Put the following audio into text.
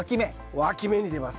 わき芽に出ます。